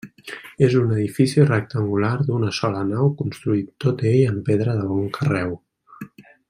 És un edifici rectangular d'una sola nau, construït tot ell en pedra de bon carreu.